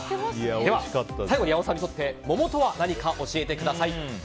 では最後に八尾さんにとって桃とは何か教えてください。